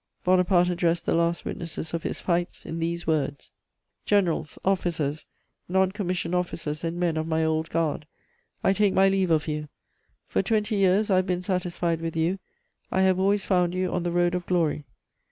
Bonaparte addressed the last witnesses of his fights in these words: "Generals, officers, non commissioned officers and men of my Old Guard, I take my leave of you: for twenty years I have been satisfied with you; I have always found you on the road of glory.